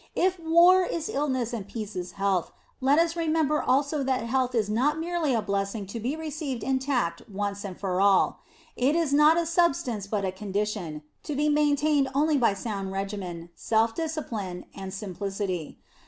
If war is illness and peace is health, let us remember also that health is not merely a blessing to be received intact once and for all. It is not a substance but a condition, to be maintained only by sound régime, self discipline and simplicity.